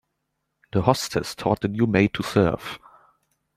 The hostess taught the new maid to serve.